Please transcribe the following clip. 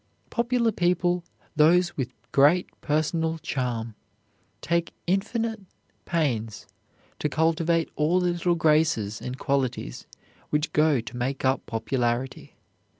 Popular people, those with great personal charm, take infinite pains to cultivate all the little graces and qualities which go to make up popularity.